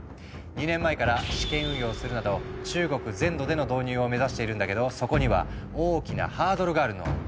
２年前から試験運用するなど中国全土での導入を目指しているんだけどそこには大きなハードルがあるの。